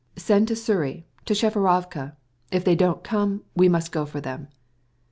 "Send to Sury, to Tchefirovka; if they don't come we must look for them."